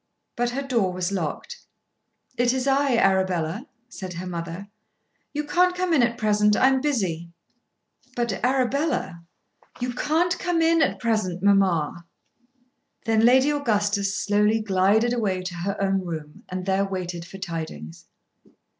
But her door was locked. "It is I, Arabella," said her mother. "You can't come in at present, mamma. I am busy." "But Arabella." "You can't come in at present, mamma." Then Lady Augustus slowly glided away to her own room and there waited for tidings.